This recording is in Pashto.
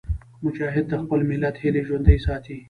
مجاهد د خپل ملت هیلې ژوندي ساتي.